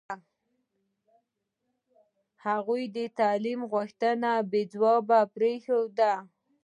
هغوی د تعلیم غوښتنه بې ځوابه پرېښوده.